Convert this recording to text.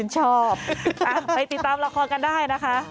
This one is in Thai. ชอบไปติดตามละครกันได้นะคะ